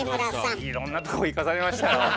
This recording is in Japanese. いろんなとこ行かされましたよ。